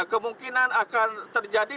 kemungkinan akan terjadi